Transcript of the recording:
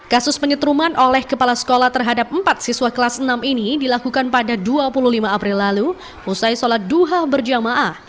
kasus penyetruman oleh kepala sekolah terhadap empat siswa kelas enam ini dilakukan pada dua puluh lima april lalu usai sholat duha berjamaah